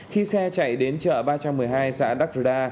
khi xe chạy đến chợ ba trăm một mươi hai xã đắk đờ đa